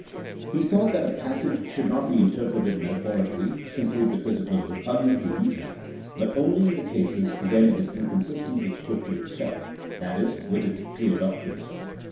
He thought that a passage should not be inter preted metaphorically, simply because it was repugnant to reason, but only in the cases when it is inconsistent with Scripture itself — that is, with its clear doctrines.